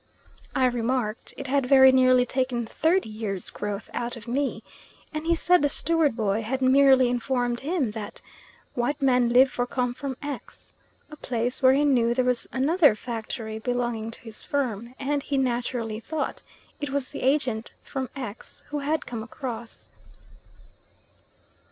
I remarked it had very nearly taken thirty years' growth out of me, and he said the steward boy had merely informed him that "White man live for come from X," a place where he knew there was another factory belonging to his firm, and he naturally thought it was the agent from X who had come across.